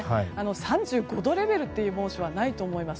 ３５度レベルという猛暑はないと思います。